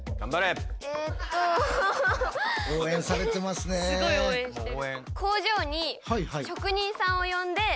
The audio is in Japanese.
すごい応援してる。